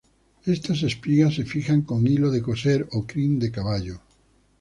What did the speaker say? Estas espigas se fijan con hilo de coser o crin de caballo.